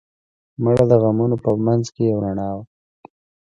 مړه د غمونو په منځ کې یو رڼا وه